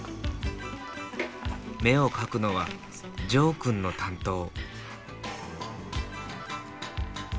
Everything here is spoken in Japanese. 目を描くのはジョーくんの担当。